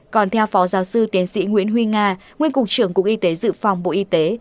còn theo phó giáo sư tiến sĩ nguyễn huy nga nguyên cục trưởng cục y tế dự phòng bộ y tế